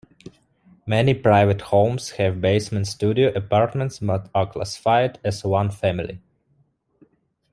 Many private homes have basement studio apartments but are classified as one family.